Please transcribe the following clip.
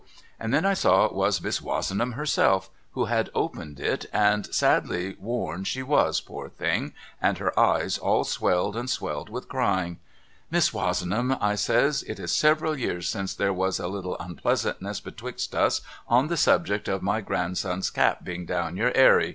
And then I saw it was Miss Wozenham herself who had opened it and sadly worn she was poor thing and her eyes all swelled and swelled with crying. * Miss Wozenham ' I says ' it is several years since there was a little unpleasantness betwixt us on the subject of my grand son's cap being down your Airy.